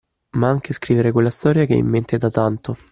Ma anche scrivere quella storia che hai in mente da tanto